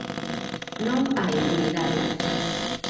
Non á impunidade.